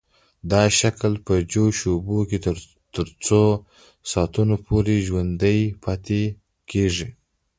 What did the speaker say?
دا شکل په جوش اوبو کې تر څو ساعتونو پورې ژوندی پاتې کیږي.